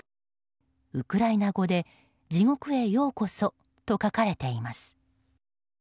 ウクライナ語で「地獄へようこそ」と書かれています。